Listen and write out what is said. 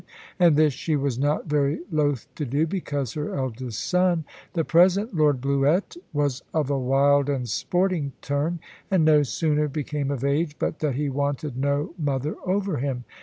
And this she was not very loath to do, because her eldest son, the present Lord Bluett, was of a wild and sporting turn, and no sooner became of age but that he wanted no mother over him.